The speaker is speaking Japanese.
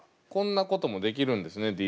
こんなこともできるんですね